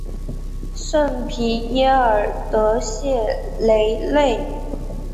圣皮耶尔德谢雷内。